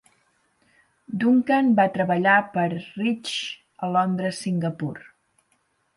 Duncan va treballar per a Rich a Londres Singapur.